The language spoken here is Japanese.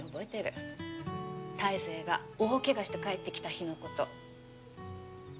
大成が大怪我して帰ってきた日の事。